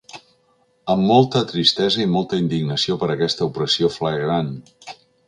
Amb molta tristesa i molta indignació per aquesta opressió flagrant.